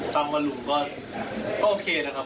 ฟังมาลุงก็โอเคนะครับ